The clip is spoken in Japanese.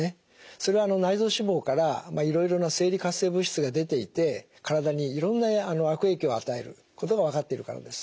それは内臓脂肪からいろいろな生理活性物質が出ていて体にいろんな悪影響を与えることが分かっているからです。